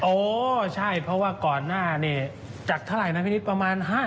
โอ้ใช่เพราะว่าก่อนหน้านี้จากเท่าไหร่นะพี่นิดประมาณ๕๐